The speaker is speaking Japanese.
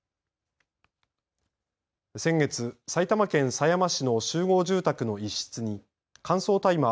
先月、埼玉県狭山市の集合住宅の一室に乾燥大麻